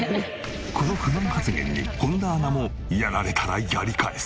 この不満発言に本田アナもやられたらやり返す。